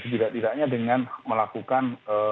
tidak tidaknya dengan melakukan